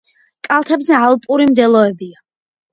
კალთებზე ალპური მდელოებია.